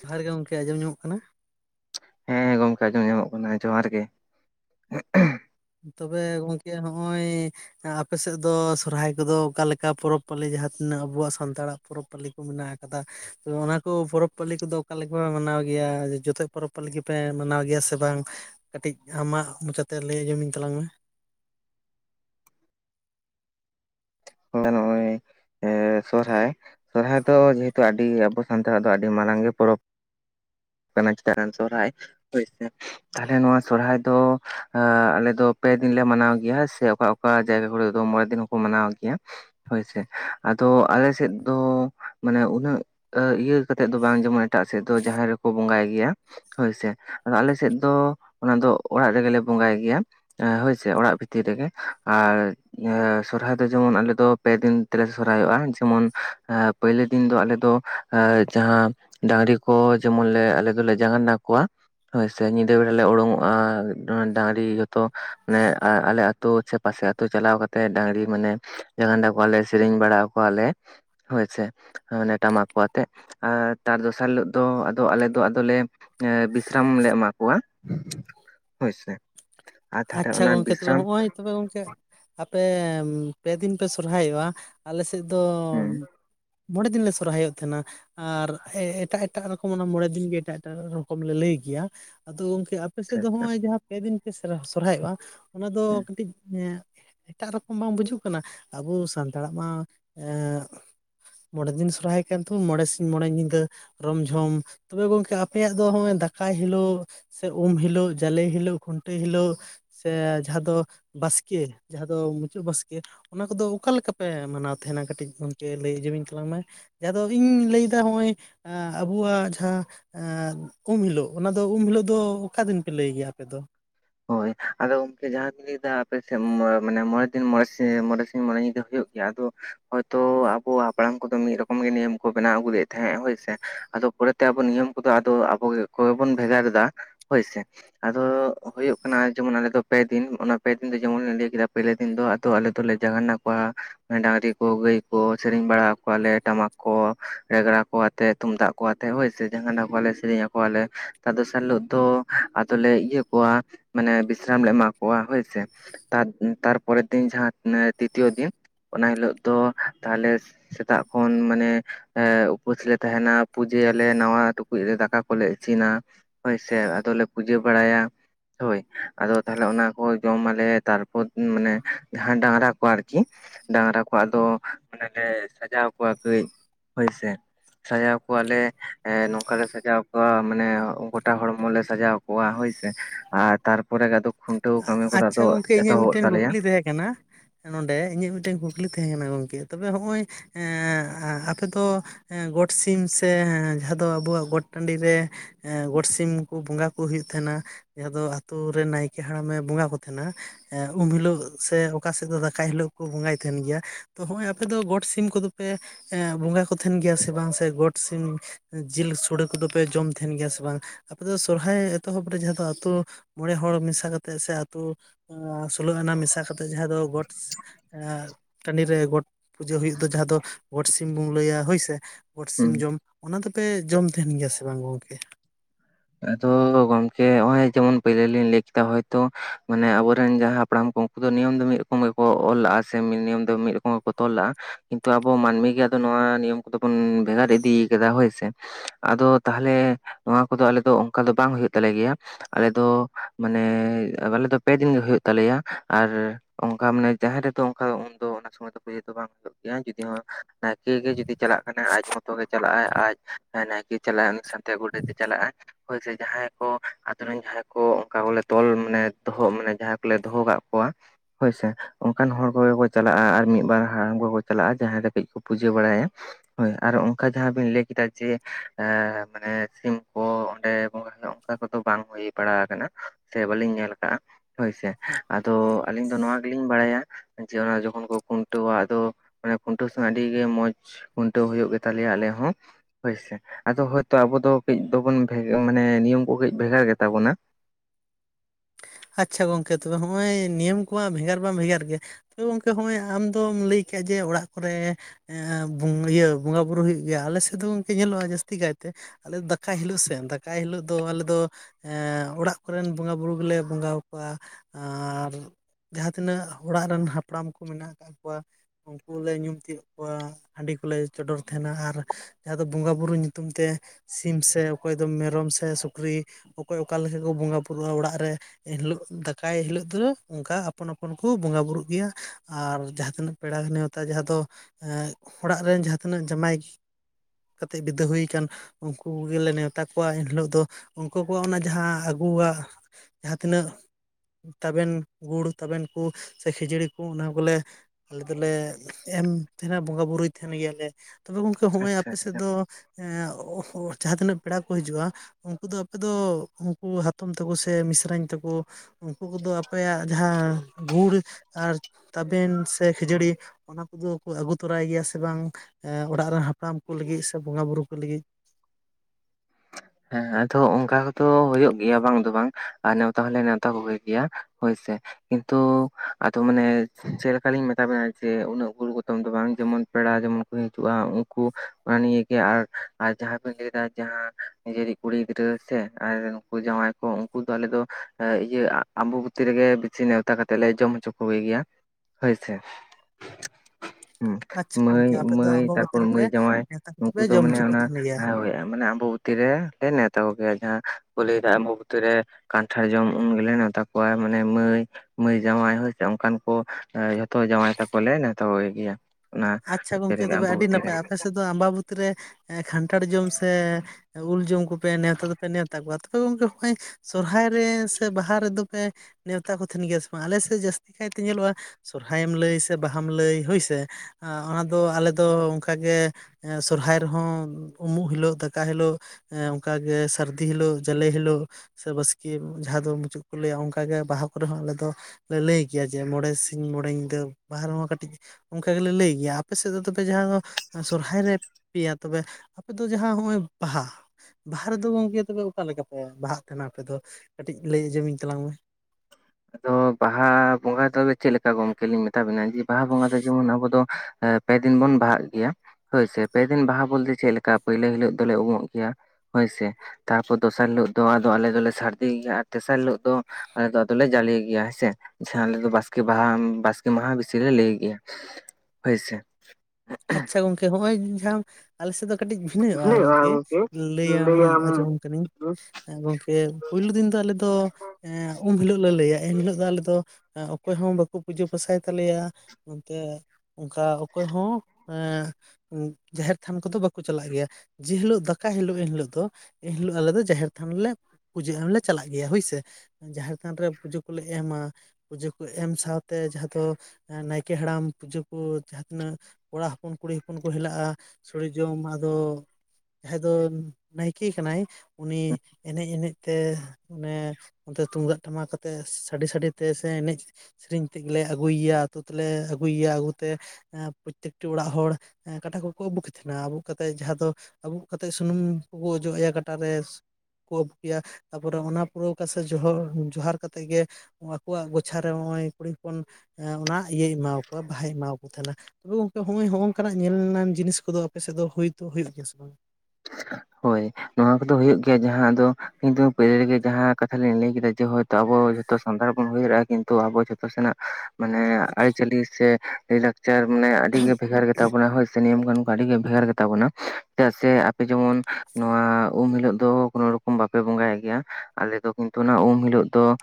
ᱡᱚᱦᱟᱨ ᱜᱮ ᱜᱚᱝᱠᱮ ᱟᱸᱡᱚᱢ ᱧᱟᱢᱚᱜ ᱠᱟᱱᱟ? ᱦᱮᱸ ᱜᱚᱝᱠᱮ ᱟᱸᱡᱚᱢ ᱧᱟᱢᱚᱜ ᱠᱟᱱᱟ ᱡᱚᱦᱟᱨ ᱜᱮ᱾ ᱛᱚᱸᱵᱮ ᱜᱚᱝᱠᱮ ᱦᱚᱸᱜᱼᱚᱭ ᱮᱸ ᱟᱯᱮ ᱥᱮᱜ ᱫᱚ ᱥᱚᱨᱦᱟᱭ ᱠᱚᱫᱚ ᱚᱠᱟ ᱞᱮᱠᱟ ᱯᱚᱨᱚᱵᱽ ᱯᱟᱹᱞᱮ ᱡᱟᱦᱟᱸ ᱛᱤᱱᱟᱹᱜ ᱟᱵᱚᱣᱟᱜ ᱥᱟᱱᱛᱟᱲᱟᱜ ᱯᱚᱨᱚᱵᱽ ᱯᱟᱹᱞᱤ ᱠᱚ ᱢᱮᱱᱟᱜ ᱠᱟᱫᱟ ᱛᱚ ᱚᱱᱟ ᱠᱚ ᱯᱚᱨᱚᱵᱽ ᱯᱟᱹᱞᱤ ᱠᱚᱫᱚ ᱚᱠᱟ ᱞᱮᱠᱟ ᱯᱮ ᱢᱟᱱᱟᱣ ᱜᱮᱭᱟ ᱡᱚᱛᱚ ᱯᱚᱨᱚᱵᱽ ᱯᱟᱹᱞᱤ ᱜᱮᱯᱮ ᱢᱟᱱᱟᱣ ᱜᱮᱭᱟ ᱥᱮ ᱵᱟᱝ? ᱠᱟᱹᱴᱤᱡ ᱟᱢᱟᱜ ᱢᱚᱪᱟᱛᱮ ᱞᱟᱹᱭ ᱟᱸᱡᱚᱢᱟᱹᱧ ᱛᱟᱞᱟᱝ ᱢᱮ᱾ [unintelligible] ᱱᱚᱜᱼᱚᱭ ᱮ ᱥᱚᱨᱦᱟᱭ ᱥᱚᱨᱦᱟᱭ ᱫᱚ ᱡᱮ ᱛᱚ ᱟᱹᱰᱤ ᱟᱵᱚ ᱥᱟᱱᱛᱟᱲᱟᱜ ᱫᱚ ᱟᱹᱰᱤ ᱢᱟᱨᱟᱝ ᱜᱮ ᱯᱚᱨᱚᱵᱽ ᱠᱟᱱᱟ ᱪᱤᱫᱟᱜ ᱮᱱ ᱥᱚᱦᱨᱟᱭ ᱦᱳᱭ ᱥᱮ ᱛᱟᱦᱞᱮ ᱱᱚᱣᱟ ᱥᱚᱨᱦᱟᱭ ᱫᱚ ᱟᱸ ᱟᱞᱮ ᱫᱚ ᱯᱮ ᱫᱤᱱᱞᱮ ᱢᱟᱱᱟᱣ ᱜᱮᱭᱟ ᱦᱮᱸᱥᱮ ᱚᱠᱟ ᱚᱠᱟ ᱡᱟᱭᱜᱟ ᱠᱚᱨᱮ ᱫᱚ ᱢᱚᱬᱮ ᱫᱤᱱ ᱦᱚᱸᱠᱚ ᱢᱟᱱᱟᱣ ᱜᱤᱭᱟ᱾ ᱦᱳᱭ ᱥᱮ ᱟᱫᱚ ᱟᱞᱮ ᱥᱮᱜ ᱫᱚ ᱢᱟᱱᱮ ᱩᱱᱟᱹᱜ ᱮ ᱤᱭᱟᱹ ᱠᱟᱛᱮᱜ ᱫᱚ ᱵᱟᱝ ᱡᱮᱢᱚᱱ ᱮᱴᱟᱜ ᱥᱮᱜ ᱫᱚ ᱡᱟᱸᱦᱮᱨ ᱨᱮᱠᱚ ᱵᱚᱸᱜᱟᱭ ᱜᱮᱭᱟ᱾ ᱦᱳᱭᱥᱮ ᱟᱫᱚ ᱟᱞᱮ ᱥᱮᱜ ᱫᱚ ᱚᱱᱟ ᱫᱚ ᱚᱲᱟᱜ ᱨᱮᱜᱮᱞᱮ ᱵᱚᱸᱜᱟᱭ ᱜᱤᱭᱟ᱾ ᱮᱸ ᱦᱳᱭᱥᱮ ᱚᱲᱟᱜ ᱵᱷᱤᱛᱤᱨ ᱨᱮᱜᱮ ᱟᱨ ᱮᱸ ᱥᱚᱨᱦᱟᱭ ᱫᱚ ᱡᱮᱢᱚᱱ ᱟᱞᱮ ᱫᱚ ᱯᱮ ᱫᱤᱱ ᱛᱮᱞᱮ ᱥᱚᱨᱦᱟᱭᱚᱜᱼᱟ ᱡᱮᱢᱚᱱ ᱟᱸ ᱯᱟᱹᱭᱞᱟᱹ ᱫᱤᱱ ᱫᱚ ᱟᱞᱮ ᱫᱚ ᱮᱸ ᱡᱟᱦᱟᱸ ᱰᱟᱹᱝᱨᱤ ᱠᱚ ᱡᱮᱢᱚᱱ ᱞᱮ ᱟᱞᱮ ᱫᱚᱞᱮ ᱡᱟᱸᱜᱟᱱᱱᱟ ᱠᱚᱣᱟ᱾ ᱦᱳᱭ ᱥᱮ ᱧᱤᱫᱟᱹ ᱵᱮᱲᱟ ᱞᱮ ᱳᱲᱳᱝᱚᱜᱼᱟ ᱰᱟᱝᱨᱤ ᱡᱚᱛᱚ ᱢᱟᱱᱮ ᱟ ᱟᱞᱮ ᱟᱛᱳ ᱯᱟᱥᱮ ᱟᱹᱛᱳ ᱪᱟᱞᱟᱣ ᱠᱟᱛᱮᱜ ᱰᱟᱝᱨᱤ ᱢᱟᱱᱮ ᱡᱟᱸᱜᱟᱱᱱᱟ ᱠᱚᱣᱟᱞᱮ ᱥᱮᱨᱮᱧ ᱵᱟᱲᱟᱣ ᱠᱚᱣᱟᱞᱮ᱾ ᱦᱳᱭᱥᱮ ᱟᱱᱮ ᱴᱟᱢᱟᱠ ᱠᱚ ᱟᱛᱮᱜ ᱟᱨ ᱛᱟᱨ ᱫᱚᱥᱟᱨ ᱦᱤᱞᱳ ᱫᱚ ᱫᱚ ᱟᱞᱮ ᱫᱚ ᱟᱫᱚᱞᱮ ᱮᱸ ᱵᱤᱥᱨᱟᱢ ᱞᱮ ᱮᱢᱟ ᱠᱚᱣᱟ ᱦᱳᱭᱥᱮ᱾ ᱟᱪᱪᱷᱟ ᱜᱚᱝᱠᱮ ᱛᱚᱵᱮ ᱦᱚᱸᱜᱼᱚᱭ ᱛᱚᱵᱮ ᱜᱚᱝᱠᱮ ᱟᱯᱮ ᱯᱮ ᱫᱤᱱ ᱯᱮ ᱥᱚᱨᱦᱟᱭᱚᱜᱼᱟ ᱟᱞᱮ ᱥᱮᱜ ᱫᱚ ᱦᱩᱸ ᱢᱚᱬᱮ ᱫᱤᱱ ᱞᱮ ᱥᱚᱨᱦᱟᱭᱚᱜ ᱛᱮᱸᱦᱱᱟ᱾ ᱟᱨ ᱮ-ᱮᱴᱟᱜ ᱮᱴᱟᱜ ᱨᱚᱠᱚᱢ ᱚᱱᱟ ᱢᱚᱬᱮ ᱫᱤᱱ ᱜᱮ ᱮᱴᱟᱜ ᱮᱴᱟᱜ ᱨᱚᱠᱚᱢ ᱞᱮ ᱞᱟᱹᱭ ᱜᱮᱭᱟ ᱟᱫᱚ ᱜᱚᱝᱠᱮ ᱟᱯ ᱟᱪᱪᱷᱟ ᱯᱮᱥᱮᱜ ᱫᱚ ᱟᱪᱪᱷᱟ ᱦᱚᱸᱜᱼᱚᱭ ᱡᱟᱦᱟᱸ ᱯᱮ ᱫᱤᱱ ᱯᱮ ᱥᱮᱨ ᱥᱚᱨᱦᱟᱭᱚᱜᱼᱟ ᱚᱱᱟ ᱫᱚ ᱦᱩᱸ ᱠᱟᱹᱴᱤᱡ ᱮᱸ ᱮᱴᱟᱜ ᱨᱚᱠᱚᱢ ᱵᱟᱝ ᱵᱩᱡᱩᱜ ᱠᱟᱱᱟ? ᱟᱵᱚ ᱥᱟᱱᱛᱟᱲᱟᱜ ᱢᱟ ᱮᱸ ᱢᱚᱸᱬᱮ ᱫᱤᱱ ᱥᱚᱨᱦᱟᱭ ᱠᱟᱱ ᱛᱚ ᱢᱚᱸᱬᱮ ᱥᱤᱧ ᱢᱚᱸᱬᱮ ᱧᱤᱫᱟᱹ ᱨᱚᱢᱡᱷᱚᱢ ᱛᱚᱵᱮ ᱜᱚᱝᱠᱮ ᱟᱯᱮᱭᱟᱜ ᱫᱚ ᱦᱚᱸᱜᱼᱚᱭ ᱫᱟᱠᱟᱭ ᱦᱤᱞᱳᱜ ᱥᱮ ᱩᱢ ᱦᱤᱞᱳᱜ ᱡᱟᱞᱮ ᱦᱤᱞᱳᱜ ᱠᱷᱩᱱᱴᱟᱹᱣ ᱦᱤᱞᱳᱜ ᱥᱮ ᱡᱟᱦᱟᱸ ᱫᱚ ᱵᱟᱥᱠᱮ ᱡᱟᱦᱟᱸ ᱫᱚ ᱢᱩᱪᱟᱹᱜ ᱵᱟᱥᱠᱮ ᱚᱱᱟ ᱠᱚᱫᱚ ᱚᱠᱟ ᱞᱮᱠᱟ ᱯᱮ ᱢᱟᱱᱟᱣ ᱛᱮᱦᱮᱱᱟ ᱠᱟᱹᱴᱤᱡ ᱜᱚᱢᱠᱮ ᱞᱮᱭ ᱟᱡᱚᱢᱤᱧ ᱛᱟᱞᱟᱝ ᱢᱮ? ᱡᱟᱦᱟᱸᱫᱚ ᱤᱧ ᱞᱟᱹᱭᱫᱟ ᱦᱚᱜᱼᱚᱭ ᱟᱹᱵᱩᱣᱟᱜ ᱡᱟᱦᱟᱸ ᱮᱸ ᱩᱢ ᱦᱤᱞᱳᱜ ᱚᱱᱟᱫᱚ ᱩᱢ ᱦᱤᱞᱳᱜ ᱫᱚ ᱚᱠᱟ ᱫᱤᱱ ᱯᱮ ᱞᱟᱹᱭ ᱜᱮᱭᱟ ᱟᱯᱮ ᱫᱚ? ᱦᱳᱭ ᱟᱫᱚ ᱜᱚᱝᱠᱮ ᱡᱟᱦᱟᱸ ᱵᱤᱱ ᱞᱟᱹᱭᱮᱫᱟ ᱟᱯᱮ ᱥᱮᱜ ᱢᱟᱱᱮ ᱢᱚ ᱫᱤᱱ ᱢᱚᱸᱬᱮ ᱥᱤᱧ ᱢᱚᱸᱬᱮ ᱥᱤᱧ ᱢᱚᱸᱬᱮ ᱧᱤᱫᱟᱹ ᱦᱳᱭᱳᱜ ᱜᱮᱭᱟ ᱟᱫᱚ ᱦᱚᱭᱛᱳ ᱟᱵᱚ ᱦᱟᱯᱲᱟᱢ ᱠᱚᱫᱚ ᱢᱤᱜ ᱨᱚᱠᱚᱢ ᱜᱮ ᱱᱤᱭᱚᱢ ᱠᱚ ᱵᱮᱱᱟᱣ ᱟᱹᱜᱩ ᱞᱮᱜ ᱛᱟᱦᱮᱸᱜ ᱦᱳᱭᱥᱮ, ᱟᱫᱚ ᱯᱚᱨᱮ ᱛᱮ ᱟᱵᱚ ᱱᱤᱭᱚᱢ ᱠᱚᱫᱚ ᱟᱵᱚ ᱠᱚᱜᱮ ᱵᱚᱱ ᱵᱷᱮᱜᱟᱨ ᱫᱟ ᱦᱳᱭᱥᱮ ᱟᱫᱚ ᱦᱳᱭᱳᱜ ᱠᱟᱱᱟ ᱡᱮᱢᱚᱱ ᱟᱞᱮᱫᱚ ᱯᱮ ᱫᱤᱱ ᱚᱱᱟ ᱯᱮ ᱫᱤᱱ ᱫᱚ ᱡᱮᱢᱚᱱᱧ ᱞᱟᱹᱭ ᱠᱮᱫᱟ ᱯᱮᱞᱮ ᱫᱤᱱ ᱫᱚ ᱟᱞᱮ ᱫᱚᱞᱮ ᱡᱟᱜᱟᱱᱱᱟ ᱠᱚᱣᱟ ᱾ ᱰᱟᱝᱨᱤ ᱠᱚ ᱜᱟᱹᱭ ᱠᱚ ᱥᱮᱨᱮᱧ ᱵᱟᱲᱟ ᱟᱠᱚᱣᱟᱞᱮ ᱴᱟᱢᱟᱠ ᱠᱚ ᱨᱮᱜᱽᱲᱟ ᱠᱚ ᱛᱮ ᱛᱩᱢᱫᱟᱜ ᱠᱚ ᱟᱛᱮ ᱦᱳᱭ ᱥᱮ ᱡᱷᱟᱜᱟᱱᱱᱟ ᱠᱚᱣᱟᱞᱮ ᱥᱮᱹᱨᱮᱧ ᱟᱠᱚᱣᱟᱞᱮ ᱛᱟᱨ ᱫᱚᱥᱟᱨ ᱦᱤᱞᱳᱜ ᱫᱚ ᱟᱫᱚᱞᱮ ᱤᱭᱟᱹ ᱠᱚᱣᱟ ᱢᱟᱱᱮ ᱵᱤᱥᱨᱟᱢ ᱞᱮ ᱮᱢᱟ ᱠᱚᱣᱟ ᱦᱳᱭ ᱥᱮ᱾ ᱛᱟᱨ ᱛᱟᱨᱯᱚᱨᱮᱜ ᱫᱤᱱ ᱡᱟᱦᱟᱸ ᱛᱤᱛᱤᱭᱚ ᱫᱤᱱ ᱚᱱᱟ ᱦᱤᱞᱳᱜ ᱫᱚ ᱛᱟᱦᱟᱞᱮ ᱥᱮᱛᱟᱜ ᱠᱷᱚᱱ ᱢᱟᱱᱮ ᱩᱯᱟᱹᱥ ᱞᱮ ᱛᱟᱦᱮᱱᱟ ᱯᱩᱡᱟᱹᱭᱟᱞᱮ ᱱᱟᱣᱟ ᱴᱩ ᱴᱩᱠᱩᱡ ᱨᱮ ᱫᱟᱠᱟ ᱠᱚᱞᱮ ᱤᱥᱤᱱᱟ ᱦᱳᱭ ᱥᱮ ᱟᱫᱚᱞᱮ ᱯᱩᱡᱟᱹ ᱵᱟᱲᱟᱭᱟ᱾ ᱦᱳᱭ ᱟᱫᱚ ᱛᱟᱦᱚᱞᱮ ᱚᱱᱟ ᱠᱚ ᱡᱚᱢᱟᱞᱮ ᱛᱟᱨᱯᱚᱨ ᱢᱟᱱᱮ ᱡᱟᱦᱟᱸ ᱰᱟᱝᱨᱟ ᱠᱚ ᱟᱨᱠᱤ ᱰᱟᱝᱨᱟ ᱠᱚᱣᱟᱜ ᱫᱚ ᱢᱟᱱᱮᱞᱮ ᱥᱟᱡᱟᱣ ᱠᱚᱣᱟ ᱠᱟᱹᱡ ᱦᱳᱭᱥᱮ᱾ ᱥᱟᱡᱟᱣ ᱠᱚᱣᱟᱞᱮ ᱱᱚᱝᱠᱟ ᱞᱮ ᱥᱟᱡᱟᱣ ᱠᱚᱣᱟ ᱢᱟᱱᱮ ᱜᱚᱴᱟ ᱦᱚᱲᱢᱚ ᱞᱮ ᱥᱟᱡᱟᱣ ᱠᱚᱣᱟ ᱦᱳᱭᱥᱮ ᱟᱨ ᱛᱟᱨᱯᱚᱨ ᱜᱟᱫᱚ ᱠᱷᱩ ᱟᱪᱪᱷᱟ ᱜᱚᱝᱠᱮ ᱤᱧᱟᱹᱜ ᱢᱤᱫᱴᱮᱱ ᱠᱩᱠᱞᱤ ᱛᱮᱦᱮᱸ ᱠᱟᱱᱟ ᱱᱚᱸᱰᱮ ᱤᱧᱟᱹᱜ ᱢᱤᱫᱴᱮᱱ ᱠᱩᱠᱞᱤ ᱛᱮᱦᱮᱸ ᱠᱟᱱᱟ ᱜᱚᱝᱠᱮ ᱛᱚᱵᱮ ᱦᱚᱜᱼᱚᱭ ᱟᱯᱮ ᱫᱚ ᱜᱚᱴ ᱥᱤᱢ ᱥᱮ ᱡᱟᱦᱟᱸ ᱫᱚ ᱟᱵᱚᱣᱟᱜ ᱜᱚᱴ ᱴᱟᱺᱰᱤᱨ ᱨᱮ ᱮ ᱜᱚᱴ ᱥᱤᱢ ᱠᱚ ᱵᱚᱸᱜᱟ ᱠᱚ ᱦᱩᱭᱩᱜ ᱛᱟᱦᱮᱸᱱᱟ ᱡᱟᱦᱟᱸ ᱫᱚ ᱟᱛᱩᱨ ᱨᱮ ᱱᱟᱭᱠᱮ ᱠᱮ ᱦᱟᱲᱟᱢᱮ ᱵᱚᱸᱜᱟ ᱠᱚ ᱛᱟᱦᱮᱱᱟ ᱾ ᱩᱢ ᱦᱤᱞᱳᱜ ᱥᱮ ᱚᱠᱟ ᱥᱮᱫ ᱫᱚ ᱫᱟᱠᱟᱭ ᱦᱤᱞᱳᱜ ᱠᱚ ᱵᱚᱸᱜᱟᱭ ᱛᱟᱦᱮᱱ ᱜᱮᱭᱟ ᱛᱚ ᱱᱚᱜᱼᱚᱭ ᱟᱯᱮ ᱫᱚ ᱜᱚᱴ ᱥᱤᱢ ᱠᱚᱫᱚᱯᱮ ᱮ ᱵᱚᱸᱜᱟ ᱠᱚ ᱛᱟᱦᱮᱱ ᱜᱮᱭᱟ ᱥᱮ ᱵᱟᱝ? ᱥᱮ ᱜᱚᱴ ᱥᱤᱢ ᱡᱤᱞ ᱥᱳᱲᱮ ᱠᱚᱫᱚᱯᱮ ᱡᱚᱢ ᱛᱟᱦᱮᱱ ᱜᱮᱭᱟ ᱥᱮ ᱵᱟᱝ ᱟᱯᱮ ᱫᱚ ᱥᱚᱨᱦᱚᱟᱭ ᱮᱛᱚᱦᱚᱵ ᱨᱮ ᱡᱟᱦᱟᱸ ᱫᱚ ᱟᱹᱛᱳ ᱢᱚᱬᱮ ᱦᱚᱲ ᱢᱮᱥᱟ ᱠᱟᱛᱮᱫ ᱥᱮ ᱟᱹᱛᱩ ᱥᱳᱞᱳ ᱟᱱᱟ ᱢᱮᱥᱟ ᱠᱟᱛᱮᱫ ᱡᱟᱦᱟᱸ ᱫᱚ ᱜᱚᱴ ᱴᱟᱱᱤᱨᱮ ᱜᱚᱴ ᱯᱩᱡᱟᱹ ᱦᱩᱭᱩᱜ ᱫᱚ ᱡᱟᱦᱟᱸ ᱫᱚ ᱜᱚᱴ ᱥᱤᱢ ᱵᱚᱱ ᱞᱟᱹᱭᱟ ᱦᱳᱭᱥᱮ, ᱜᱚᱴ ᱦᱩᱸ ᱥᱤᱢ ᱡᱚᱢ ᱚᱱᱟ ᱫᱚᱯᱮ ᱡᱚᱢ ᱛᱟᱦᱮᱱ ᱜᱮᱭᱟ ᱥᱮ ᱵᱟᱝ ᱜᱚᱝᱠᱮ? ᱟᱫᱚ ᱜᱚᱝᱠᱮ ᱱᱚᱜ ᱚᱭ ᱡᱮᱢᱚᱱ ᱯᱳᱭᱞᱳ ᱞᱤᱧ ᱞᱟᱹᱭ ᱠᱮᱫᱟ ᱦᱚᱭᱛᱚ ᱢᱟᱱᱮ ᱟᱵᱚᱨᱮᱱ ᱡᱟᱦᱟᱸ ᱦᱟᱯᱲᱟᱢ ᱠᱚ ᱩᱱ ᱫᱚ ᱱᱤᱭᱚᱢ ᱫᱚ ᱢᱤᱫ ᱨᱚᱠᱚᱢ ᱜᱮᱠᱚ ᱚᱞ ᱞᱟᱜᱼᱟ ᱥᱮ ᱱᱤᱭᱚᱢ ᱫᱚ ᱢᱤᱫ ᱨᱚᱠᱚᱢ ᱜᱮᱠᱚ ᱛᱚᱞ ᱞᱟᱜᱼᱟ ᱠᱤᱱᱛᱩ ᱟᱵᱚ ᱢᱟᱹᱱᱢᱤ ᱜᱮ ᱱᱚᱣᱟ ᱱᱤᱭᱚᱢ ᱠᱚᱫᱚ ᱵᱚᱱ ᱵᱷᱮᱜᱟᱨ ᱤᱫᱤ ᱠᱟᱫᱟ ᱦᱳᱭᱥ ᱟᱫᱚ ᱛᱟᱦᱚᱞᱮ ᱱᱚᱣᱟ ᱠᱚᱫᱚ ᱟᱞᱮ ᱫᱚ ᱚᱱᱠᱟ ᱫᱚ ᱵᱟᱝ ᱦᱩᱭᱩᱜ ᱛᱟᱞᱮ ᱜᱮᱭᱟ ᱾ ᱟᱞᱮ ᱫᱚ ᱢᱟᱱᱮ ᱟᱞᱮ ᱫᱚ ᱯᱮ ᱫᱤᱱ ᱜᱮ ᱦᱩᱭᱩᱜ ᱛᱟᱞᱮᱭᱟ, ᱟᱨ ᱚᱱᱠᱟ ᱢᱟᱱᱮ ᱡᱟᱦᱮᱨ ᱨᱮᱫᱚ ᱚᱱᱠᱟ ᱩᱱ ᱫᱚ ᱚᱱᱟ ᱥᱚᱢᱚᱭ ᱫᱚ ᱯᱩᱡᱟᱹ ᱫᱚ ᱵᱟᱝ ᱦᱩᱭᱩᱜ ᱜᱮᱭᱟ, ᱡᱩᱫᱤ ᱱᱟᱭᱠᱮ ᱜᱮ ᱡᱩᱫᱤ ᱪᱟᱞᱟᱜ ᱠᱟᱱᱟᱭ ᱟᱡ ᱢᱚᱛᱚ ᱜᱮ ᱪᱟᱞᱟᱜ ᱟᱭ ᱟᱡ ᱱᱟᱭᱠᱮ ᱪᱟᱞᱟᱜ ᱩᱱᱤ ᱥᱟᱶᱛᱮ ᱛᱮ ᱪᱟᱞᱟᱜᱼᱟ ᱾ ᱦᱳᱭ ᱥᱮ ᱡᱟᱦᱟᱸᱭ ᱠᱚ ᱟᱛᱩ ᱨᱮᱱ ᱡᱟᱦᱟᱸᱭ ᱠᱚ ᱚᱱᱠᱟ ᱠᱚᱞᱮ ᱛᱚᱞ ᱢᱟᱱᱮ ᱫᱚᱦᱚ ᱢᱟᱱᱮ ᱡᱟᱦᱟᱸᱭ ᱠᱚᱞᱮ ᱫᱚᱦᱚ ᱠᱟᱜ ᱠᱚᱣᱟ᱾ ᱦᱳᱭᱥᱮ ᱚᱱᱠᱟᱱ ᱦᱚᱲ ᱠᱚᱜᱮ ᱠᱚ ᱪᱟᱞᱟᱜᱼᱟ ᱟᱨ ᱢᱤᱫ ᱵᱟᱨ ᱦᱟᱲᱟᱢ ᱠᱚᱠᱚ ᱪᱟᱞᱟᱜᱼᱟ ᱡᱟᱦᱟᱸᱭ ᱫᱚ ᱠᱟᱹᱡ ᱠᱚ ᱯᱩᱡᱟᱹ ᱵᱟᱲᱟᱭᱟ᱾ ᱦᱳᱭ ᱟᱨ ᱚᱱᱠᱟ ᱡᱟᱦᱟᱸ ᱵᱤᱱ ᱞᱟᱹᱭ ᱠᱮᱫᱟ ᱡᱮ ᱢᱟᱱᱮ ᱥᱤᱢ ᱠᱚ ᱚᱸᱰᱮ ᱵᱚᱸᱜᱟ ᱦᱩᱭᱩᱜ ᱚᱱᱠᱟ ᱠᱚᱫᱚ ᱵᱟᱝ ᱦᱩᱭ ᱵᱟᱲᱟ ᱟᱠᱟᱱᱟ ᱥᱮ ᱵᱟᱹᱞᱤᱧ ᱧᱮᱞ ᱟᱠᱟᱟᱜ-ᱟ ᱾ ᱦᱳᱭᱥᱮ ᱟᱫᱚ ᱟᱹᱞᱤᱧ ᱫᱚ ᱱᱚᱣᱟ ᱜᱮᱞᱤᱧ ᱵᱟᱲᱟᱭᱟ ᱾ ᱡᱮ ᱚᱱᱟ ᱡᱚᱠᱷᱚᱱ ᱠᱚ ᱠᱷᱩᱱᱴᱟᱹᱣᱟ ᱟᱫᱚᱮ ᱠᱷᱩᱱᱴᱟᱹᱣ ᱥᱟᱶ ᱟᱹᱰᱤ ᱜᱮ ᱢᱚᱸᱡᱽ ᱠᱷᱩᱱᱴᱟᱹᱣ ᱦᱩᱭᱩᱜ ᱜᱮᱛᱟᱞᱮᱭᱟ ᱟᱞᱮ ᱦᱚᱸ ᱦᱳᱭᱥᱮ ᱟᱫᱚ ᱦᱭᱛᱳ ᱟᱵᱚ ᱫᱚ ᱠᱟᱹᱡ ᱫᱚᱵᱚᱱ ᱵᱷᱮᱜ ᱢᱟᱱᱮ ᱱᱤᱭᱚᱢ ᱠᱚ ᱠᱟᱹᱡ ᱵᱷᱮᱜᱟᱨ ᱜᱮᱛᱟ ᱵᱚᱱᱟ ᱾ ᱟᱪᱪᱷᱟ ᱜᱚᱝᱠᱮ ᱛᱚᱵᱮ ᱦᱚᱸᱜᱼᱚᱭ ᱱᱤᱭᱚᱢ ᱠᱚᱣᱟᱜ ᱵᱷᱮᱜᱟᱨ ᱵᱟᱝ ᱵᱷᱮᱜᱟᱨ ᱜᱮ, ᱛᱚᱵᱮ ᱜᱚᱝᱠᱮ ᱦᱚᱸᱜᱼᱚᱭ ᱟᱢᱫᱚᱢ ᱞᱟᱹᱭ ᱠᱮᱜ ᱡᱮ ᱚᱲᱟᱜ ᱠᱚᱨᱮ, ᱮ ᱤᱭᱟᱹ ᱵᱚᱸᱜᱟ ᱵᱩᱨᱩ ᱦᱩᱭᱩᱜ ᱜᱮᱭᱟ ᱟᱞᱮ ᱥᱮᱫ ᱫᱚ ᱜᱚᱝᱠᱮ ᱧᱮᱞᱚᱜᱼᱟ ᱡᱟᱹᱥᱛᱤ ᱠᱟᱭᱛᱮ, ᱟᱞᱮ ᱫᱟᱠᱟᱭ ᱦᱤᱞᱳᱜ ᱥᱮᱫ ᱫᱟᱠᱟᱭ ᱦᱤᱞᱳᱜ ᱫᱚ ᱟᱞᱮ ᱫᱚ ᱚᱲᱟᱜ ᱠᱚᱨᱮᱱ ᱵᱚᱸᱜᱟ ᱵᱩᱨᱩ ᱜᱮᱞᱮ ᱵᱚᱸᱜᱟᱠᱚᱣᱟ ᱾ᱟᱨ ᱡᱟᱦᱟᱸ ᱛᱤᱱᱟᱹᱜ ᱚᱲᱟᱜ ᱨᱮᱱ ᱦᱟᱯᱲᱟᱢ ᱠᱚ ᱢᱮᱱᱟᱜ ᱟᱠᱟᱫ ᱠᱚᱣᱟ, ᱩᱱᱠᱩ ᱞᱮ ᱧᱩᱢ ᱛᱤᱭᱳᱜ ᱠᱚᱣᱟ ᱦᱟᱺᱰᱤ ᱠᱚᱞᱮ ᱪᱚᱰᱚᱨ ᱛᱟᱦᱮᱱᱟ ᱟᱨ ᱡᱟᱦᱟᱸ ᱫᱚ ᱵᱚᱸᱜᱟ ᱵᱩᱨᱩ ᱧᱩᱛᱩᱢ ᱛᱮ ᱥᱤᱢ ᱥᱮ ᱚᱠᱚᱭ ᱫᱚ ᱢᱮᱨᱚᱢ ᱥᱮ ᱥᱩᱠᱨᱤ ᱚᱠᱚᱭ ᱚᱠᱟ ᱞᱮᱠᱟ ᱠᱚ ᱵᱚᱸᱜᱟ ᱵᱩᱨᱩᱜᱼᱟ ᱚᱲᱟᱜ ᱨᱮ ᱮᱱ ᱦᱤᱞᱳᱜ ᱫᱟᱠᱟᱭ ᱦᱤᱞᱳᱜ ᱫᱚ ᱚᱱᱠᱟ ᱟᱯᱚᱱ ᱟᱯᱚᱱ ᱠᱚ ᱵᱚᱸᱜᱟ ᱵᱩᱨᱩᱜ ᱜᱮᱭᱟ ᱟᱨ ᱡᱟᱦᱟᱸ ᱛᱤᱱᱟᱹᱜ ᱯᱮᱲᱟ ᱱᱮᱶᱛᱟ ᱡᱟᱦᱟᱸ ᱫᱚ ᱮ ᱚᱲᱟᱜ ᱨᱮᱱ ᱡᱟᱦᱟᱸ ᱛᱤᱱᱟᱹᱜ ᱡᱟᱟᱢᱟᱭ ᱠᱟᱛᱮᱫ ᱵᱤᱫᱟᱹᱭ ᱦᱩᱭ ᱟᱠᱟᱱ ᱾ ᱩᱱᱠᱩ ᱜᱮᱞᱮ ᱱᱮᱣᱛᱟ ᱠᱚᱣᱟ ᱮᱱᱦᱤᱞᱳᱜ ᱫᱚ ᱩᱱᱠᱩ ᱠᱚᱣᱟᱜ ᱚᱱᱟ ᱡᱟᱦᱟᱸ ᱟᱹᱜᱩᱣᱟᱜ ᱡᱟᱦᱟᱸ ᱛᱤᱱᱟᱹᱜ ᱛᱟᱵᱮᱱ ᱜᱩᱲ ᱛᱟᱵᱮᱱ ᱠᱚ ᱥᱮ ᱠᱷᱟᱡᱲᱤ ᱠᱚ ᱚᱱᱟ ᱠᱚᱞᱮ ᱟᱞᱮ ᱫᱚᱞᱮ ᱮᱢ ᱛᱟᱦᱮᱱᱟ ᱵᱚᱸᱜᱟ ᱵᱩᱨᱩᱭ ᱛᱟᱦᱮᱱ ᱜᱮᱭᱟᱞᱮ ᱾ ᱛᱚᱵᱮ ᱜᱚᱝᱠᱮ ᱦᱚᱜᱼᱚᱭ ᱟᱯ ᱟᱪᱪᱷᱟ ᱟᱪᱪᱷᱟ ᱥᱮᱫ ᱫᱚ ᱮ ᱡᱟᱦᱟᱸ ᱛᱤᱱᱟᱹᱜ ᱯᱮᱲᱟ ᱠᱚ ᱦᱤᱡᱩᱜᱼᱟ, ᱩᱱᱠᱩ ᱫᱚ ᱟᱯᱮ ᱫᱚ ᱩᱱᱠᱩ ᱦᱟᱛᱚᱢ ᱛᱟᱠᱚ ᱥᱮ ᱢᱤᱥᱨᱟ ᱧ ᱛᱟᱠᱚ ᱩᱱᱠᱩ ᱠᱚᱫᱚ ᱟᱯᱮᱭᱟᱜ ᱡᱟᱦᱟᱸ ᱜᱩᱲ ᱟᱨ ᱛᱟ ᱯᱮᱱ ᱥᱮ ᱠᱷᱤᱡᱲᱤ ᱚᱱᱟ ᱠᱚᱫᱚ ᱠᱚ ᱟᱹᱜᱩ ᱛᱚᱨᱟᱭ ᱜᱮᱭᱟ ᱥᱮ ᱵᱟᱝ ᱚᱲᱟᱜ ᱨᱮᱱ ᱦᱟᱯᱲᱟᱢ ᱠᱚ ᱞᱟᱹᱜᱤᱫ ᱥᱮ ᱵᱚᱸᱜᱟ ᱵᱩᱨᱩ ᱠᱚ ᱞᱟᱹᱜᱤᱫ? ᱦᱮᱸ ᱟᱫᱚ ᱚᱱᱠᱟᱛ ᱦᱩᱭᱩᱜ ᱜᱮᱭᱟ ᱵᱟᱝ ᱫᱚ ᱵᱟᱝ ᱾ ᱟᱨ ᱱᱮᱣᱛᱟ ᱦᱚᱸᱞᱮ ᱱᱮᱣᱛᱟ ᱠᱚᱜ ᱜᱮᱭᱟ ᱦᱳᱭᱥᱮ ᱾ ᱠᱤᱱᱛᱩ ᱟᱫᱚ ᱢᱟᱱᱮ ᱪᱮᱫᱠᱟᱞᱤᱧ ᱢᱮᱛᱟᱵᱮᱱᱟ ᱡᱮ ᱩᱱᱟᱹᱜ ᱜᱩᱨᱩ ᱜᱚᱛᱚᱢ ᱫᱚ ᱵᱟᱝ ᱾ ᱡᱮᱢᱚᱱ ᱯᱮᱲᱟ ᱡᱮᱢᱚᱱ ᱠᱚ ᱦᱤᱡᱩᱜᱼᱟ ᱩᱱᱠᱩ ᱚᱱᱟ ᱱᱤᱭᱟᱹᱜ ᱜᱮ ᱟᱨ ᱟᱨ ᱡᱟᱦᱟᱸ ᱵᱤᱱ ᱞᱟᱹᱭᱮᱫᱟ ᱡᱟᱦᱟᱸ ᱱᱤᱡᱮᱨᱤᱡ ᱠᱩᱲᱤ ᱜᱤᱫᱽᱨᱟᱹ ᱥᱮ ᱟᱞᱮ ᱱᱩᱠᱩ ᱡᱟᱶᱟᱭ ᱠᱚ ᱩᱱᱠᱩ ᱫᱚ ᱟᱞᱮᱫᱚ ᱮ ᱤᱭᱟᱹ ᱟᱢᱵᱟᱵᱚᱛᱤ ᱨᱮᱜᱮ ᱵᱮᱥᱤ ᱱᱮᱣᱛᱟ ᱠᱟᱛᱮᱫ ᱞᱮ ᱡᱚᱢ ᱦᱚᱪᱚ ᱠᱚᱜ ᱜᱮᱭᱟ ᱦᱳᱭ ᱥᱮ ᱾ [inaudible] ᱦᱩ ᱟᱪᱪᱷᱟ ᱢᱟᱹᱭ ᱜᱚᱝᱠᱮ ᱟᱯᱮ ᱫᱚ ᱢᱟᱹᱭ ᱟᱢᱵᱟᱵᱚᱛᱤ ᱛᱟᱨᱯᱚᱨ ᱨᱮᱯᱮ ᱢᱟᱹᱭ ᱡᱟᱶᱟᱭ ᱱᱮᱣᱛᱟ ᱩᱱᱠᱩ ᱠᱚᱫᱚᱯᱮ ᱫᱚ ᱡᱚᱢ ᱢᱟᱱᱮ ᱦᱚᱪᱚ ᱠᱚ ᱛᱟᱦᱮᱱ ᱜᱮᱭᱟ ᱚᱱᱟ-ᱟ ᱢᱟᱱᱮ ᱟᱵᱟᱵᱩᱛᱤ ᱵᱷᱩᱛᱤ ᱨᱮᱞᱮ ᱱᱮᱣᱛᱟ ᱠᱚᱜᱮᱭᱟ ᱡᱟᱦᱟᱸ ᱠᱚ ᱞᱟᱹᱭ ᱫᱟ ᱟᱵᱟᱵᱚᱛᱤᱨᱮ ᱠᱟᱱᱴᱷᱟᱲ ᱡᱚᱢ ᱩᱱ ᱜᱮᱞᱮ ᱱᱮᱣᱛᱟ ᱠᱚᱣᱟ ᱢᱟᱱᱮ ᱢᱟᱹᱭ ᱢᱟᱹᱭ ᱡᱟᱶᱟᱭ ᱦᱳᱭ ᱥᱮ ᱚᱱᱠᱟᱱ ᱠᱚ ᱡᱷᱚᱛᱚ ᱡᱟᱶᱟᱭ ᱛᱟᱠᱚᱞᱮ ᱱᱮᱣᱛᱟ ᱠᱚ ᱜᱮᱭᱟ ᱾ ᱚᱱᱟ ᱤᱛ ᱨᱮᱜᱮ ᱟᱵᱟᱵᱚᱛᱤ ᱨᱮ ᱾ ᱟᱢᱵᱟᱵᱩᱛᱤ ᱨᱮ ᱠᱷᱟᱱᱴᱷᱟᱲ ᱡᱚᱢ ᱥᱮ ᱩᱞ ᱡᱚᱢ ᱠᱚᱯᱮ ᱱᱮᱣᱛᱟ ᱫᱚᱯᱮ ᱱᱮᱣᱛᱟ ᱠᱚᱣᱟ ᱛᱚᱵᱮ ᱜᱚᱝᱠᱮ ᱱᱚᱜᱚᱭ ᱥᱚᱨᱦᱟᱭ ᱨᱮ ᱥᱮ ᱵᱟᱦᱟ ᱨᱮᱫᱚ ᱯᱮ ᱱᱮᱣᱛᱟ ᱠᱚ ᱛᱟᱦᱮᱱ ᱜᱮᱭᱟ ᱥᱮ ᱵᱟᱝ ᱟᱞᱮ ᱥᱮᱫ ᱡᱟᱹᱥᱛᱤ ᱠᱟᱭᱛᱮ ᱧᱮᱞᱚᱜ-ᱟ᱾ ᱥᱚᱨᱦᱟᱭ ᱮᱢ ᱞᱟᱹᱭ ᱥᱮ ᱵᱟᱦᱟ ᱮᱢ ᱞᱟᱹᱭ ᱦᱳᱭ ᱥᱮ? ᱚᱱᱟ ᱫᱚ ᱟᱞᱮ ᱫᱚ ᱚᱱᱠᱟᱜᱮ ᱥᱚᱨᱦᱟᱭ ᱨᱮᱦᱚᱸ ᱩᱢᱩᱜ ᱦᱤᱞᱳᱜ ᱫᱟᱠᱟ ᱦᱤᱞᱳᱜ ᱦᱮᱸ ᱚᱱᱠᱟᱜᱮ ᱥᱟᱹᱨᱫᱤ ᱦᱤᱞᱳᱜ ᱡᱟᱞᱮ ᱦᱤᱞᱳᱜ ᱥᱮ ᱵᱟᱥᱠᱮ ᱡᱟᱦᱟᱸ ᱫᱚ ᱢᱩᱪᱟᱹᱫ ᱠᱚ ᱞᱟᱹᱭᱟ ᱚᱱᱠᱟᱜᱮ ᱵᱟᱦᱟ ᱠᱚᱨᱮ ᱦᱚᱸ ᱟᱞᱮ ᱫᱚ ᱞᱮ ᱞᱟᱹᱭ ᱠᱮᱭᱟ ᱡᱮ ᱢᱚᱬᱮ ᱥᱤᱧ ᱢᱚᱬᱮ ᱧᱤᱫᱟᱹ ᱵᱟᱦᱟ ᱨᱮᱦᱚᱸ ᱠᱟᱹᱴᱤᱡ ᱚᱱᱠᱟ ᱜᱮᱞᱮ ᱞᱟᱹᱭ ᱜᱮᱭᱟ ᱟᱯᱮ ᱥᱮᱫ ᱫᱚ ᱛᱚᱵᱮ ᱡᱟᱦᱟᱸ ᱫᱚ ᱥᱚᱨᱦᱟᱭ ᱨᱮ ᱯᱮᱭᱟ ᱛᱚᱵᱮ ᱟᱯᱮᱫᱚ ᱡᱟᱦᱟᱸ ᱱᱚᱜ-ᱚᱭ ᱵᱟᱦᱟ ᱾ ᱵᱟᱦᱟ ᱨᱮᱫᱚ ᱜᱚᱢᱠᱮ ᱛᱚᱵᱮ, ᱚᱠᱟ ᱞᱮᱠᱟ ᱯᱮ ᱵᱟᱦᱟᱜ ᱛᱟᱦᱮᱱᱟ ᱟᱯᱮ ᱫᱚ? ᱠᱟᱹᱴᱤᱡ ᱞᱟᱹᱭ ᱟᱸᱡᱚᱢᱤᱧ ᱛᱟᱞᱟᱝ ᱢᱮ ᱟᱫᱚ ᱵᱟᱦᱟ ᱵᱚᱸᱜᱟ ᱫᱚ, ᱟᱫᱚ ᱪᱮᱫ ᱞᱮᱠᱟ ᱜᱚᱢᱠᱮ ᱞᱤᱧ ᱢᱮᱛᱟ ᱵᱤᱱᱟ ᱡᱮ ᱵᱟᱦᱟ ᱵᱚᱸᱜᱟ ᱫᱚ, ᱡᱮᱢᱚᱱ ᱟᱵᱚ ᱫᱚ ᱮᱸ ᱯᱮ ᱫᱤᱱ ᱵᱚᱱ ᱵᱟᱦᱟ ᱜᱮᱭᱟ, ᱦᱳᱭᱥᱮ᱾ ᱯᱮ ᱫᱤᱱ ᱵᱟᱦᱟ ᱵᱚᱞᱛᱮ ᱪᱮᱫ ᱞᱮᱠᱟ ᱯᱳᱭᱞᱳ ᱦᱤᱞᱳᱜ ᱫᱚᱞᱮ ᱩᱢᱚᱜ ᱜᱮᱭᱟ᱾ ᱦᱳᱭᱥᱮ, ᱛᱟᱨᱯᱚᱨ ᱫᱚᱥᱟᱨ ᱦᱤᱞᱳᱜ ᱫᱚ ᱟᱞᱮ ᱫᱚᱞᱮ ᱥᱟᱹᱨᱫᱤ ᱜᱮᱭᱟ ᱟᱨ ᱛᱮᱥᱟᱨ ᱦᱤᱞᱳᱜ ᱫᱚ ᱟᱞᱮ ᱫᱚ ᱟᱞᱮ ᱫᱚᱞᱮ ᱡᱟᱞᱮ ᱜᱮᱭᱟ, ᱦᱮᱸᱥᱮ᱾ ᱡᱟᱸᱦᱟ ᱟᱞᱮ ᱫᱚ ᱵᱟᱥᱠᱮ ᱵᱟᱦᱟ ᱵᱟᱥᱠᱮ ᱢᱟᱦᱟ ᱵᱮᱥᱤ ᱞᱮ ᱞᱟᱹᱭ ᱜᱮᱭᱟ᱾ ᱦᱳᱭ ᱥᱮ᱾ ᱟᱪᱪᱷᱟ, ᱜᱚᱝᱠᱮ᱾ ᱦᱚᱸᱜᱼᱚᱭ ᱡᱟᱦᱟᱸ ᱟᱞᱮᱥᱮᱫ ᱫᱚ ᱠᱟᱹᱴᱤᱡ ᱵᱷᱤᱱᱟᱹᱚᱜᱼᱟ ᱜᱚᱢᱠᱮ᱾ ᱞᱟᱹᱭ ᱟᱢ ᱞᱟᱹᱭᱟᱢ ᱟᱸᱡᱚᱢ ᱟᱢ ᱠᱟᱹᱱᱟᱹᱧ, ᱮᱸ ᱜᱚᱢᱠᱮ ᱯᱳᱭᱞᱳ ᱫᱤᱱ ᱫᱚ ᱟᱞᱮ ᱫᱚ ᱮᱜ ᱩᱢ ᱦᱤᱞᱳᱜ ᱞᱮ ᱞᱟᱹᱭᱼᱟ, ᱮᱱᱦᱤᱞᱳᱜ ᱫᱚ ᱟᱞᱮ ᱫᱚ ᱚᱠᱚᱭ ᱦᱚᱸ ᱵᱟᱠᱚ ᱯᱩᱡᱟᱹ ᱯᱟᱥᱟᱭ ᱛᱟᱞᱮᱭᱟ᱾ ᱱᱚᱛᱮ ᱚᱱᱠᱟ ᱚᱠᱚᱭ ᱦᱚᱸ ᱮᱸ ᱡᱟᱹᱦᱮᱨ ᱛᱷᱟᱱ ᱠᱚᱫᱚ ᱵᱟᱠᱚ ᱪᱟᱞᱟᱜ ᱜᱮᱭᱟ᱾ ᱡᱮ ᱦᱤᱞᱳᱜ ᱫᱟᱠᱟ ᱦᱤᱞᱳᱜ ᱮᱱᱦᱤᱞᱳᱜ ᱫᱚ, ᱮᱱᱦᱤᱞᱳᱜ ᱟᱞᱮ ᱫᱚ ᱡᱟᱦᱮᱨ ᱛᱷᱟᱱ ᱨᱮᱞᱮ ᱯᱩᱡᱟᱹ ᱮᱢᱞᱮ ᱪᱟᱞᱟᱜ ᱜᱮᱭᱟ ᱦᱳᱭᱥᱮ ᱡᱟᱦᱮᱨ ᱛᱷᱟᱱ ᱨᱮ ᱯᱩᱡᱟᱹ ᱠᱚᱞᱮ ᱮᱢᱟ᱾ ᱯᱩᱡᱟᱹ ᱠᱚ ᱮᱢ ᱥᱟᱶᱛᱮ ᱡᱟᱦᱟᱸ ᱫᱚ ᱱᱟᱭᱠᱮ ᱦᱟᱲᱟᱢ ᱯᱩᱡᱟᱹ ᱠᱚ ᱡᱟᱦᱟᱸᱛᱤᱱᱟᱹᱜ ᱠᱚᱲᱟ ᱦᱚᱯᱚᱱ ᱠᱩᱲᱤ ᱦᱚᱯᱚᱱ ᱠᱚ ᱦᱮᱞᱟᱼᱟ ᱥᱳᱲᱮ ᱡᱚᱢ᱾ ᱟᱫᱚ ᱡᱟᱦᱟᱸᱭ ᱫᱚ ᱱᱟᱭᱠᱮ ᱠᱟᱱᱟᱭ ᱩᱱᱤ ᱮᱱᱮᱡ ᱮᱱᱮᱡ ᱛᱮ ᱚᱱᱮ ᱚᱱᱛᱮ ᱛᱩᱢᱫᱟᱜ ᱴᱟᱢᱟᱠ ᱟᱛᱮᱫ ᱥᱟᱰᱮ ᱥᱟᱰᱮ ᱛᱮ ᱥᱮ ᱮᱱᱮᱡ ᱥᱮᱨᱮᱧ ᱛᱮᱜᱮᱞᱮ ᱟᱹᱜᱩᱭᱮᱭᱟ ᱟᱹᱛᱩ ᱛᱮᱞᱮ ᱟᱹᱜᱩᱭᱮᱭᱟ ᱟᱹᱜᱩᱛᱮ ᱯᱨᱚᱛᱛᱮᱠᱴᱤ ᱚᱲᱟᱜ ᱦᱚᱲ ᱠᱟᱴᱟ ᱠᱚᱠᱚ ᱟᱹᱵᱩᱠ ᱮ ᱛᱟᱦᱮᱱᱟ ᱟᱵᱩᱜ ᱠᱟᱛᱮᱜ ᱡᱟᱦᱟᱸ ᱫᱚ ᱟᱹᱵᱩᱜ ᱠᱟᱛᱮᱫ ᱥᱩᱱᱩᱢ ᱠᱚᱠᱚ ᱚᱡᱚᱜ ᱮᱭᱟ ᱠᱟᱴᱟ ᱨᱮ᱾ ᱠᱚ ᱟᱹᱜᱩ ᱮᱭᱟ᱾ ᱛᱟᱯᱚᱨᱮ ᱚᱱᱟ ᱯᱩᱨᱟᱹᱣ ᱠᱟᱱ ᱥᱮ ᱡᱚᱦᱚᱨ ᱡᱚᱦᱟᱨ ᱠᱟᱛᱮᱫ ᱜᱮ ᱟᱠᱚᱣᱟᱜ ᱜᱚᱪᱷᱟ ᱨᱮ ᱱᱚᱜᱼᱚᱭ ᱠᱩᱲᱤ ᱦᱚᱯᱚᱱ ᱚᱱᱟ ᱤᱭᱟᱹ ᱮᱢᱟᱣ ᱠᱚᱣᱟ ᱵᱟᱦᱟᱭ ᱮᱢᱟ ᱠᱚ ᱛᱟᱦᱮᱱᱟ᱾ ᱦᱚᱸᱜᱼᱚᱭ ᱦᱚᱸᱝ ᱠᱟᱱᱟᱜ ᱧᱮᱞᱼᱮᱱ ᱡᱤᱱᱤᱥ ᱠᱚᱫᱚ ᱟᱯᱮ ᱥᱮᱫ ᱫᱚ ᱦᱩᱭᱛᱳ ᱦᱩᱭᱩᱜ ᱜᱮᱭᱟ, ᱥᱮ ᱵᱟᱝ᱾ ᱦᱳᱭ ᱱᱚᱣᱟ ᱠᱚᱫᱚ ᱦᱩᱭᱩᱜ ᱜᱮᱭᱟ᱾ ᱡᱟᱦᱟᱸᱫᱚ ᱠᱤᱱᱛᱩ ᱯᱳᱭᱞᱳ ᱨᱮᱜᱮ ᱡᱟᱦᱟᱸ ᱠᱟᱛᱷᱟ ᱞᱤᱧ ᱞᱟᱹᱭ ᱠᱮᱫᱟ, ᱡᱮ ᱦᱳᱭᱛᱚ ᱟᱵᱚ ᱡᱷᱚᱛᱚ ᱥᱟᱱᱛᱟᱲ ᱵᱚᱱ ᱦᱩᱭ ᱫᱟᱲᱮᱭᱟᱜᱼᱟ, ᱠᱤᱱᱛᱩ ᱟᱵᱚ ᱡᱷᱚᱛᱚ ᱥᱮᱱᱟᱜ ᱢᱟᱱᱮ ᱟᱹᱨᱤᱪᱟᱹᱞᱤ ᱥᱮ ᱞᱟᱹᱭ ᱞᱟᱠᱪᱟᱨ, ᱢᱟᱱᱮ ᱟᱹᱰᱤ ᱜᱮ ᱵᱷᱮᱜᱟᱨ ᱜᱮᱛᱟ ᱵᱚᱱᱟ, ᱦᱳᱭ ᱥᱮ ᱱᱤᱭᱚᱢ ᱠᱟᱱᱩᱱ ᱠᱚ ᱟᱹᱰᱤ ᱜᱮ ᱵᱷᱮᱜᱟᱨ ᱜᱮᱛᱟ ᱵᱚᱱᱟ᱾ ᱪᱮᱫᱟᱜ ᱥᱮ ᱟᱞᱮ ᱡᱮᱢᱚᱱ ᱱᱚᱣᱟ ᱩᱢ ᱦᱤᱞᱳᱜ ᱫᱚ ᱠᱳᱱᱳ ᱨᱚᱠᱚᱢ ᱵᱟᱯᱮ ᱵᱚᱸᱜᱟ ᱭᱮᱫ ᱜᱮᱭᱟ᱾ ᱟᱞᱮ ᱫᱚ ᱠᱤᱱᱛᱩ ᱚᱱᱟ ᱩᱢ ᱦᱤᱞᱳᱜ ᱫᱚ,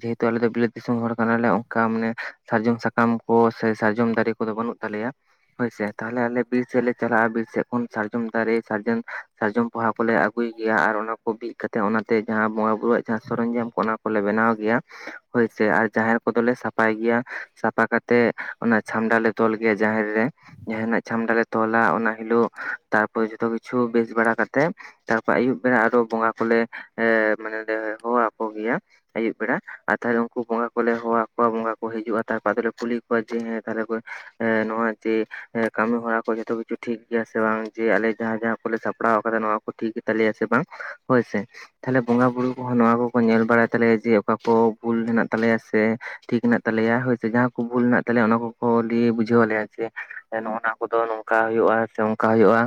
ᱡᱮᱦᱮᱛᱩ ᱟᱞᱮ ᱫᱚ ᱵᱤᱞᱟᱹᱛ ᱫᱤᱥᱚᱢ ᱦᱚᱲ ᱠᱟᱱᱟᱞᱮ ᱚᱱᱠᱟ ᱢᱟᱱᱮ ᱥᱟᱨᱡᱚᱢ ᱥᱟᱠᱟᱢ ᱠᱚ ᱥᱮ ᱥᱟᱨᱡᱚᱢ ᱫᱟᱨᱮ ᱠᱚᱫᱚ ᱵᱟᱹᱱᱩᱜ ᱛᱟᱞᱮᱭᱟ᱾ ᱦᱳᱭᱥᱮ ᱛᱟᱦᱚᱞᱮ ᱟᱞᱮ ᱵᱤᱨ ᱥᱮᱫ ᱞᱮ ᱪᱟᱞᱟᱜᱼᱟ, ᱵᱤᱨ ᱥᱮᱫ ᱠᱷᱚᱱ ᱥᱟᱨᱡᱚᱢ ᱫᱟᱨᱮ ᱥᱟᱨᱡᱚᱢ, ᱥᱟᱨᱡᱚᱢ ᱯᱚᱦᱟ ᱠᱚᱞᱮ ᱟᱹᱜᱩᱭ ᱜᱮᱭᱟ ᱟᱨ ᱚᱱᱟ ᱠᱚ ᱵᱤᱫ ᱠᱟᱛᱮᱫ, ᱚᱱᱟᱛᱮ ᱡᱟᱦᱟᱸ ᱵᱚᱸᱜᱟ ᱵᱩᱨᱩᱣᱟᱜ ᱡᱟᱦᱟᱸ ᱥᱚᱨᱚᱢ ᱡᱟᱢ ᱠᱚ ᱚᱱᱟ ᱠᱚᱞᱮ ᱵᱮᱱᱟᱣ ᱜᱮᱭᱟ᱾ ᱦᱳᱭᱥᱮ ᱟᱨ ᱡᱟᱦᱮᱨ ᱠᱚᱫᱚᱞᱮ ᱥᱟᱯᱷᱟᱭ ᱜᱮᱭᱟ ᱥᱟᱯᱷᱟ ᱠᱟᱛᱮ ᱚᱱᱟ ᱪᱷᱟᱢᱰᱟ ᱞᱮ ᱛᱚᱞ ᱜᱮᱭᱟ ᱡᱟᱦᱮᱨ ᱨᱮ ᱡᱟᱦᱟᱱᱟᱜ ᱪᱷᱟᱢᱰᱟ ᱞᱮ ᱛᱚᱞᱟ ᱚᱱᱟ ᱦᱤᱞᱳᱜ ᱛᱟᱨᱯᱚᱨ ᱡᱚᱛᱚ ᱠᱤᱪᱷᱩ ᱠᱤᱪᱷᱩ ᱵᱮᱥ ᱵᱟᱲᱟ ᱠᱟᱛᱮᱫ ᱛᱟᱨᱯᱚᱨ ᱟᱹᱭᱩᱵ ᱵᱮᱲᱟ ᱟᱨᱚ ᱵᱚᱸᱜᱟ ᱠᱚᱞᱮ ᱮᱸ ᱢᱟᱱᱮ ᱮ ᱵᱚᱸᱜᱟ ᱟᱠᱚ ᱜᱮᱭᱟ ᱟᱹᱭᱩᱵ ᱵᱮᱲᱟ᱾ ᱟᱨ ᱛᱟᱦᱞᱮ ᱩᱱᱠᱩ ᱵᱚᱸᱜᱟ ᱠᱚᱞᱮ ᱦᱚᱦᱚ ᱟᱠᱚᱣᱟ ᱵᱚᱸᱜᱟ ᱠᱚ ᱦᱤᱡᱩᱜᱼᱟ᱾ ᱛᱟᱨᱯᱚᱨ ᱟᱫᱞᱮ ᱠᱩᱞᱤ ᱠᱚᱣᱟ ᱡᱮ ᱦᱮᱸ ᱛᱟᱦᱞᱮ ᱮᱸ ᱱᱚᱣᱟ ᱪᱮ ᱮᱸ ᱠᱟᱹᱢᱤ ᱦᱚᱨᱟ ᱠᱚ ᱡᱚᱛᱚ ᱠᱤᱪᱷᱩ ᱴᱷᱤᱠ ᱜᱮᱭᱟ ᱥᱮ ᱵᱟᱝ ᱡᱮ ᱟᱞᱮ ᱡᱟᱦᱟᱸ ᱡᱟᱦᱟᱸ ᱠᱚᱞᱮ ᱥᱟᱯᱲᱟᱣ ᱟᱠᱟᱫᱟ ᱱᱚᱣᱟ ᱠᱚ ᱴᱷᱤᱠ ᱜᱮ ᱛᱟᱞᱮᱭᱟ ᱥᱮ ᱵᱟᱝ ᱦᱳᱭ ᱥᱮ᱾ ᱛᱟᱦᱚᱞᱮ ᱵᱚᱸᱜᱟ ᱵᱩᱨᱩ ᱠᱚᱦᱚᱸ ᱱᱚᱣᱟ ᱠᱚ ᱠᱚ ᱧᱮᱞ ᱵᱟᱲᱟᱭ ᱛᱟᱞᱮᱭᱟ ᱡᱮ ᱚᱠᱟ ᱠᱚ ᱵᱷᱩᱞ ᱦᱮᱱᱟᱜ ᱛᱟᱞᱮᱭᱟ ᱥᱮ ᱴᱷᱤᱠ ᱦᱮᱱᱟᱜ ᱛᱟᱞᱮᱭᱟ ᱦᱳᱭ ᱥᱮ ᱡᱟᱦᱟᱸ ᱠᱚ ᱵᱷᱩᱞ ᱦᱮᱱᱟᱜ ᱛᱟᱞᱮᱭᱟ ᱚᱱᱟ ᱠᱚ᱾ ᱠᱚ ᱞᱤᱭ ᱵᱩᱡᱷᱟᱹᱣ ᱟᱞᱮᱭᱟ ᱡᱮ ᱱᱚᱱᱱᱟ ᱠᱚᱫᱚ ᱱᱚᱝᱠᱟ ᱦᱩᱭᱩᱜᱼᱟ ᱥᱮ ᱚᱝᱠᱟ ᱦᱩᱭᱩᱜᱼᱟ᱾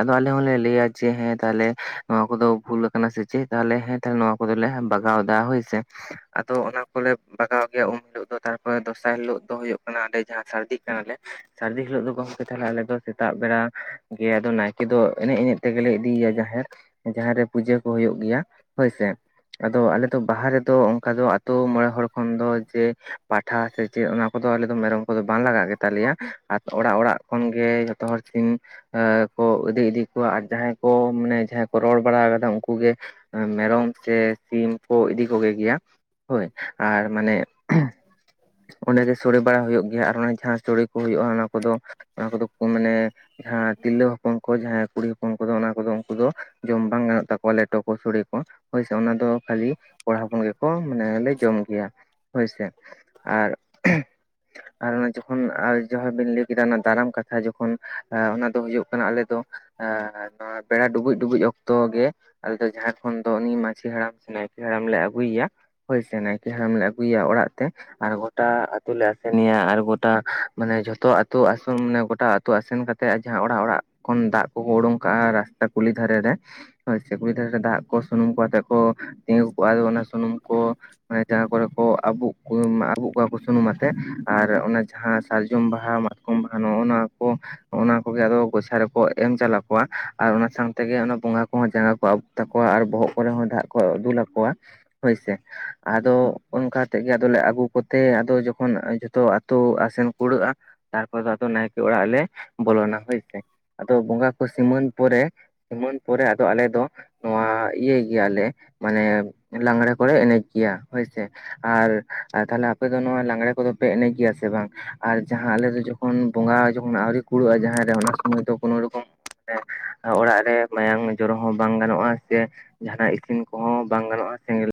ᱟᱫᱚ ᱟᱞᱮ ᱦᱚᱸᱞᱮ ᱞᱟᱹᱭᱟ ᱡᱮ ᱦᱮᱸ ᱛᱟᱦᱚᱞᱮ ᱱᱚᱣᱟ ᱠᱚᱫᱚ ᱵᱷᱩᱞ ᱟᱠᱟᱱᱟ ᱥᱮ ᱪᱮᱫ, ᱛᱟᱦᱚᱞᱮ ᱦᱮᱸ ᱛᱟᱦᱚᱞᱮ ᱱᱚᱣᱟ ᱠᱚᱫᱚᱞᱮ ᱵᱟᱜᱟᱣ ᱮᱫᱟ ᱦᱳᱭ ᱥᱮ᱾ ᱟᱫᱚ ᱚᱱᱟ ᱠᱚᱞᱮ ᱵᱟᱜᱟᱣ ᱜᱮᱭᱟ ᱩᱢ ᱦᱤᱞᱳᱜ ᱫᱚ ᱛᱟᱨᱯᱚᱨᱮ ᱫᱚᱥᱟᱨ ᱦᱤᱞᱳᱜ ᱫᱚ ᱦᱩᱭᱩᱜ ᱠᱟᱱᱟ ᱟᱰᱮ ᱡᱟᱦᱟᱸ ᱥᱟᱹᱨᱫᱤ ᱠᱟᱱᱟᱞᱮ᱾ ᱥᱟᱹᱨᱫᱤ ᱦᱤᱞᱳᱜ ᱫᱚ ᱜᱚᱝᱠᱮ ᱛᱟᱦᱚᱞᱮ ᱫᱚ ᱥᱮᱛᱟᱜ ᱵᱮᱲᱟ ᱜᱮ ᱟᱫᱚ ᱱᱟᱭ ᱠᱮᱫᱚ ᱮᱱᱮᱡ ᱮᱱᱮᱡ ᱛᱮᱜᱮᱞᱮ ᱤᱫᱤᱭ ᱭᱟ ᱡᱟᱦᱮᱨ ᱡᱟᱦᱮᱨ ᱨᱮ ᱯᱩᱡᱟᱹ ᱠᱚ ᱦᱩᱭᱩᱜ ᱜᱮᱭᱟ ᱦᱳᱭᱥᱮ᱾ ᱟᱫᱚ ᱟᱞᱮᱫᱚ ᱵᱟᱦᱟ ᱨᱮᱫᱚ ᱚᱱᱠᱟ ᱫᱚ ᱟ ᱟᱹᱛᱩ ᱢᱚᱬᱮ ᱦᱚᱲ ᱠᱷᱚᱱ ᱫᱚ ᱡᱮ ᱯᱟᱴᱷᱟ ᱥᱮ ᱪᱮᱫ ᱚᱱᱟ ᱠᱚᱫᱚ ᱟᱞᱮ ᱫᱚ ᱢᱮᱨᱚᱢ ᱠᱚᱫᱚ ᱵᱟᱝ ᱞᱟᱜᱟᱜ ᱜᱮᱛᱟ ᱞᱮᱭᱟ᱾ ᱚᱲᱟᱜ ᱚᱲᱟᱜ ᱠᱷᱚᱱ ᱜᱮ ᱡᱚᱛᱚ ᱦᱚᱲ ᱥᱤᱱ ᱠᱚ ᱤᱫᱤ ᱤᱫᱤ ᱠᱚᱣᱟ ᱟᱨ ᱡᱟᱦᱟᱸᱭ ᱠᱚ ᱢᱟᱱᱮ ᱡᱟᱦᱟᱸᱭ ᱠᱚ ᱨᱚᱲ ᱵᱟᱲᱟ ᱠᱟᱫᱟ ᱩᱱᱠᱩ ᱜᱮ ᱢᱮᱨᱚᱢ ᱥᱮ ᱥᱤᱢ ᱠᱚ ᱤᱫᱤ ᱠᱚᱜᱮ ᱜᱮᱭᱟ᱾ ᱦᱳᱭ ᱟᱨ ᱢᱟᱱᱮ ᱚᱸᱰᱮ ᱜᱮ ᱥᱳᱲᱮ ᱵᱟᱲᱟ ᱦᱩᱭᱩᱜ ᱜᱮᱭᱟ ᱟᱨ ᱡᱟᱦᱟᱸ ᱥᱚᱲᱮ ᱠᱚ ᱦᱩᱭᱩᱜᱼᱟ ᱚᱱᱟ ᱠᱚᱫᱚ ᱚᱱᱟ ᱠᱚᱫᱚ ᱢᱟᱱᱮ ᱡᱟᱦᱟᱸ ᱛᱤᱨᱞᱟᱹ ᱳᱱᱠᱳ ᱠᱚ ᱡᱟᱦᱟᱸᱭ ᱠᱩᱲᱤ ᱦᱚᱯᱚᱱ ᱠᱚᱫᱚ ᱚᱱᱟ ᱠᱚᱫᱚ ᱩᱱᱠᱩ ᱫᱚ ᱡᱚᱢ ᱵᱟᱝ ᱜᱟᱱᱚᱜ ᱛᱟᱠᱚᱣᱟ ᱞᱮᱴᱚ ᱠᱚ ᱥᱚᱲᱮ ᱠᱚ᱾ ᱦᱳᱭ ᱥᱮ ᱚᱱᱟ ᱫᱚ ᱠᱷᱟᱹᱞᱤ ᱠᱚᱲᱟ ᱦᱚᱯᱚᱱ ᱜᱮᱠᱚ ᱢᱟᱱᱮ ᱞᱮ ᱡᱚᱢ ᱜᱮᱭᱟ ᱦᱳᱭᱥᱮ᱾ ᱟᱨ ᱟᱨ ᱚᱱᱟ ᱡᱚᱠᱷᱚᱱ ᱡᱟᱦᱟᱸ ᱵᱤᱱ ᱞᱟᱹᱭ ᱠᱮᱫᱟ ᱫᱟᱨᱟᱢ ᱠᱟᱛᱷᱟ ᱡᱚᱠᱷᱚᱱ ᱚᱱᱟ ᱫᱚ ᱦᱳᱭᱳᱜ ᱠᱟᱱᱟ ᱟᱞᱮ ᱫᱚ ᱱᱚᱣᱟ ᱵᱮᱲᱟ ᱰᱩᱵᱩᱡ ᱰᱩᱵᱩᱡ ᱚᱠᱛᱚ ᱜᱮ᱾ ᱟᱞᱮ ᱡᱟᱦᱟᱸᱭ ᱠᱷᱚᱱ ᱫᱚ ᱩᱱᱤ ᱢᱟᱺᱡᱷᱤ ᱦᱟᱲᱟᱢ ᱥᱮ ᱱᱟᱭᱠᱮ ᱦᱟᱲᱟᱢ ᱞᱮ ᱟᱹᱜᱩᱭ ᱭᱟ᱾ ᱦᱳᱭ ᱥᱮ ᱱᱟᱭᱠᱮ ᱦᱟᱲᱟᱢ ᱞᱮ ᱟᱹᱜᱩᱭᱼᱟ ᱚᱲᱟᱜ ᱛᱮ᱾ ᱟᱨ ᱜᱚᱴᱟ ᱟᱛᱳ ᱞᱮ ᱟᱥᱮᱱᱭᱟ ᱟᱨ ᱜᱚᱴᱟ ᱢᱟᱱᱮ ᱡᱷᱚᱛᱚ ᱟᱛᱳ ᱟᱥᱚᱞ ᱢᱟᱱᱮ ᱜᱚᱴᱟ᱾ ᱟᱛᱳ ᱟᱥᱮᱱ ᱠᱟᱛᱮ ᱡᱟᱦᱟᱸ ᱚᱲᱟᱜ ᱚᱲᱟᱜ ᱫᱟᱜ ᱠᱚᱠᱚ ᱩᱰᱩᱝ ᱠᱟᱜᱼᱟ ᱨᱟᱥᱛᱟ ᱠᱩᱞᱦᱤ ᱫᱷᱟᱨᱮ ᱨᱮ ᱦᱩᱭ ᱥᱮ ᱠᱩᱞᱤ ᱫᱷᱟᱨᱮ ᱨᱮ ᱫᱟᱜ ᱠᱚ ᱥᱩᱱᱩᱢ ᱠᱚ ᱟᱛᱮᱫ ᱠᱚ ᱛᱤᱸᱜᱩ ᱠᱚᱜᱼᱟ ᱚᱱᱟ ᱥᱩᱱᱩᱢ ᱠᱚ ᱡᱟᱝᱟᱸ ᱠᱚᱨᱮ᱾ ᱠᱚ ᱟᱵᱩᱜ ᱠᱚ ᱟᱵᱩᱜ ᱠᱚᱣᱟ ᱠᱚ ᱥᱩᱱᱩᱢ ᱟᱛᱮ ᱟᱨ ᱚᱱᱟ ᱡᱟᱦᱟᱸ ᱥᱟᱨᱡᱚᱢ ᱵᱟᱦᱟ ᱢᱟᱛ ᱠᱚᱢ ᱵᱟᱦᱟ ᱱᱚᱣᱚ ᱱᱚᱣᱟ ᱠᱚ ᱠᱚᱜᱮ ᱟᱫᱚ ᱨᱮ ᱠᱚ ᱮᱢ ᱪᱟᱞ ᱟᱠᱚᱣᱟ ᱟᱨ ᱚᱱᱟ ᱥᱟᱶᱛᱮᱜᱮ ᱚᱱᱟ ᱵᱚᱸᱜᱟ ᱠᱚᱦᱚᱸ ᱡᱟᱸᱜᱟ ᱠᱚ ᱟᱵᱩᱠ ᱛᱟᱠᱚᱣᱟ ᱟᱨ ᱵᱚᱦᱚᱜ ᱠᱚᱨᱮ ᱦᱚᱸ ᱫᱟᱜ ᱠᱚ ᱫᱩᱞ ᱟᱠᱚᱣᱟ᱾ ᱦᱳᱭᱥᱮ ᱟᱫᱚ ᱚᱱᱠᱟᱛᱮ ᱜᱮ ᱟᱫᱚ ᱞᱮ ᱟᱹᱜᱩ ᱠᱚᱛᱮ ᱟᱫᱚ ᱡᱚᱠᱷᱚᱱ ᱡᱷᱚᱛᱚ ᱛᱳ ᱟᱥᱮᱱ ᱠᱩᱲᱟᱹᱜᱼᱟ ᱛᱟᱨᱯᱚᱨ ᱫᱚ ᱱᱟᱭᱠᱮ ᱚᱲᱟᱜ ᱞᱮ ᱵᱚᱞᱚᱱᱟ ᱦᱳᱭ ᱥᱮ᱾ ᱟᱫᱚ ᱵᱚᱸᱜᱟ ᱠᱚ ᱥᱤᱢᱟᱹᱱ ᱯᱚᱨᱮ ᱥᱤᱢᱟᱹᱱ ᱯᱚᱨᱮ ᱟᱞᱮ ᱫᱚ ᱱᱚᱣᱟ ᱤᱭᱟᱹᱭ ᱜᱮᱭᱟᱞᱮ ᱢᱟᱱᱮ᱾ ᱞᱟᱝᱬᱮ ᱠᱚᱨᱮ ᱮᱱᱮᱡ ᱜᱮᱭᱟ ᱦᱳᱭᱥᱮ ᱟᱨ ᱛᱟᱦᱞᱮ ᱟᱯᱮ ᱫᱚ ᱱᱚᱣᱟ ᱞᱟᱝᱬᱮ ᱠᱚᱫᱚ ᱯᱮ ᱮᱱᱮᱡ ᱜᱮᱭᱟ ᱥᱮ ᱵᱟᱝ ᱟᱨ ᱡᱟᱦᱟᱸ ᱟᱞᱮ ᱡᱚᱠᱷᱚᱱ ᱵᱚᱸᱜᱟ ᱡᱚᱠᱷᱚᱱ ᱟᱹᱣᱨᱤ ᱠᱩᱲᱟᱹᱜᱼᱟ ᱡᱟᱦᱟᱸ ᱨᱮ ᱚᱱᱟ ᱥᱚᱢᱚᱭ ᱫᱚ ᱠᱳᱱᱳ ᱨᱚᱠᱚᱢ ᱦᱮᱸ ᱚᱲᱟᱜ ᱨᱮ ᱢᱟᱭᱟᱝ ᱡᱚᱨᱚ ᱦᱚᱸ ᱵᱟᱝ ᱜᱟᱱᱚᱜᱼᱟ ᱥᱮ, ᱡᱟᱦᱟᱱᱟᱜ ᱤᱥᱤᱱ ᱠᱚᱦᱚᱸ ᱵᱟᱝ ᱜᱟᱱᱚᱜᱼᱟ ᱥᱮᱸᱜᱮᱞ